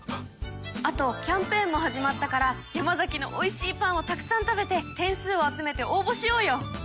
あとキャンペーンも始まったから山崎のおいしいパンをたくさん食べて点数を集めて応募しようよ！